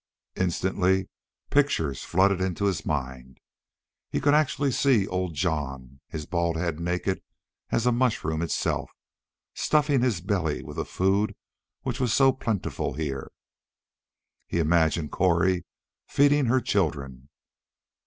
Instantly pictures flooded into his mind. He could actually see old Jon, his bald head naked as a mushroom itself, stuffing his belly with the food which was so plentiful here. He imagined Cori feeding her children.